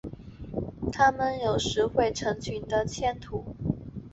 它们有时会成群的迁徙。